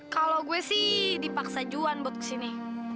kalau gue sih dipaksa juan buat kesini